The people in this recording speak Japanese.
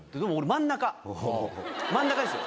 真ん中ですよ。